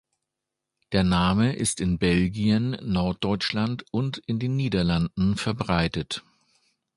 Der Name ist in Belgien, Norddeutschland und in den Niederlanden verbreitet.